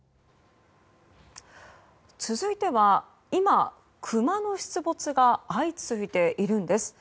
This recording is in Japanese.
続いては今、クマの出没が相次いでいるんです。